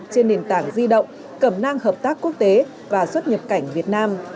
trên nền tảng di động cầm năng hợp tác quốc tế và xuất nhập cảnh việt nam